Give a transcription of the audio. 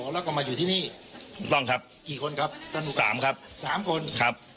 แล้วก็มาอยู่ที่นี่ถูกต้องครับกี่คนครับท่านสามครับสามคนครับ